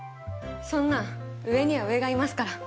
そんな上には上がいますから。